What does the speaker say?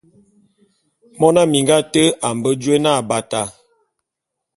Mona minga ate a mbe jôé na Abata.